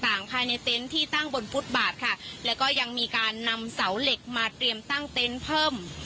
ภายในเต็นต์ที่ตั้งบนฟุตบาทค่ะแล้วก็ยังมีการนำเสาเหล็กมาเตรียมตั้งเต็นต์เพิ่ม